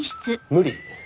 無理！？